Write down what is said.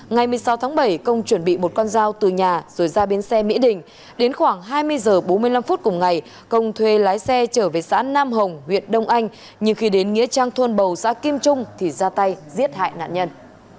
ngày một mươi sáu tháng bảy công chuẩn bị một con dao từ nhà rồi ra biến xe mỹ đình đến khoảng hai mươi h bốn mươi năm phút cùng ngày công thuê lái xe trở về xã nam hồng huyện đông anh nhưng khi đến nghĩa trang thôn bầu xã kim trung thì ra tay giết hại nạn nhân